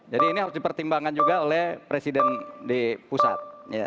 ini harus dipertimbangkan juga oleh presiden di pusat